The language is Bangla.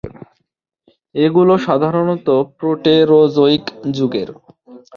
এগুলি সাধারণত প্রোটেরোজোয়িক যুগের।